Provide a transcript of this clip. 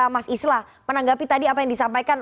mas islah menanggapi tadi apa yang disampaikan